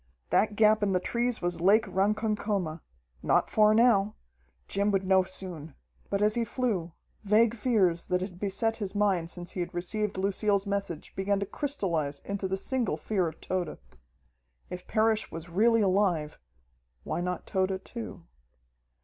That gap in the trees was Lake Ronkokoma. Not far now! Jim would know soon. But as he flew, vague fears that had beset his mind since he had received Lucille's message began to crystallize into the single fear of Tode. If Parrish was really alive why not Tode too?